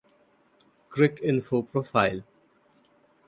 Cricinfo Profile